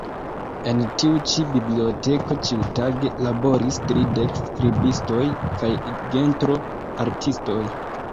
En tiu ĉi biblioteko ĉiutage laboris tridek skribistoj kaj gentro-artistoj.